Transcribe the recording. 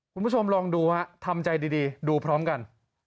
คุณผู้ชมลองดูฮะทำใจดีดูพร้อมกัน